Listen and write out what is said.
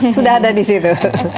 sudah ada di situ